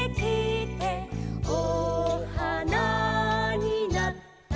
「おはなになった」